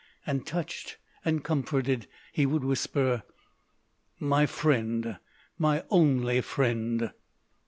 And touched and comforted he would whisper: "My friend, my only friend!"